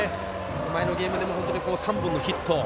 前のゲームでも３本のヒット。